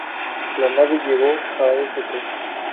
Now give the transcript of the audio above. La nave llegó a St.